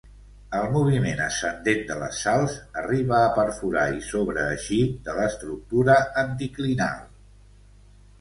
El moviment ascendent de les sals arribà a perforar i sobreeixir de l'estructura anticlinal.